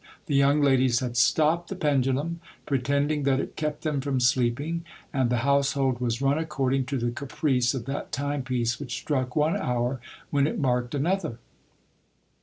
The young ladies had stopped the pendulum, pretending that it kept them from sleeping, and the household was run according to the caprice of that timepiece which struck one hour when it marked another.